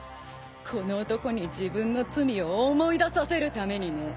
この男に自分の罪を思い出させるためにね。